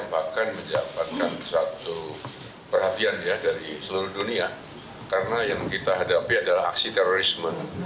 bahkan mendapatkan satu perhatian ya dari seluruh dunia karena yang kita hadapi adalah aksi terorisme